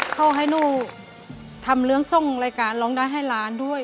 เขาให้หนูทำเรื่องทรงรายการร้องได้ให้ล้านด้วย